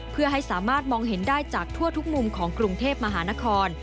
เพื่อให้สามารถมองเห็นได้จากทั่วทุกมุมของกรุงเทพมหานคร